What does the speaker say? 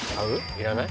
いらない？